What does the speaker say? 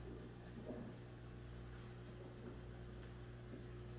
While in college, her mother and stepfather moved to Pittsburgh.